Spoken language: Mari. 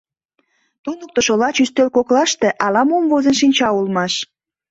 Туныктышо лач ӱстел коклаште ала-мом возен шинча улмаш.